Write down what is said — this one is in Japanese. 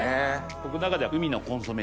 僕の中では海のコンソメ的な。